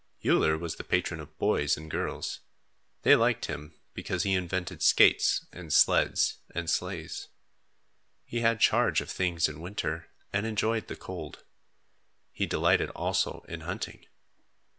Uller was the patron of boys and girls. They liked him, because he invented skates and sleds and sleighs. He had charge of things in winter and enjoyed the cold. He delighted also in hunting.